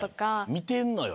見てるのよ。